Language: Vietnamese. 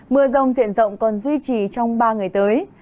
mưa rông diện rộng còn duy trì trong ba ngày tới